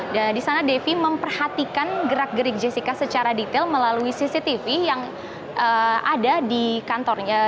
dan di sana devi memperhatikan gerak gerik jessica secara detail melalui cctv yang ada di kantornya